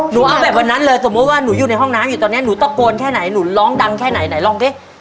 หนูเอาแบบวันนั้นเลยสมมุติว่าหนูอยู่ในห้องน้ำอยู่ตอนนี้หนูตะโกนแค่ไหนหนูร้องดังแค่ไหนไหนลองสิ